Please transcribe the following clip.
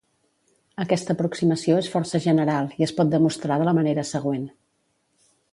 Aquesta aproximació és força general i es pot demostrar de la manera següent.